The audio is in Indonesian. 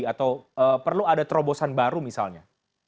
atau perlu ada terobosan baru misalnya